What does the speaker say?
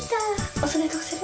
おそでどうする？